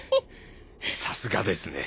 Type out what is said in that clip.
さすがですね